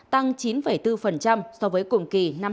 tăng chín bốn so với cùng kỳ năm hai nghìn một mươi chín